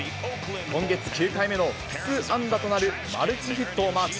今月９回目の複数安打となるマルチヒットをマーク。